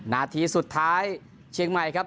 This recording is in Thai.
นาทีสุดท้ายเชียงใหม่ครับ